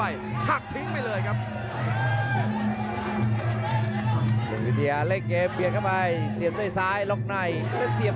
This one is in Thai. พาท่านผู้ชมกลับติดตามความมันกันต่อครับ